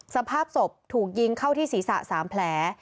สภาพศพถูกยิงเข้าที่ศีรษะ๓แผล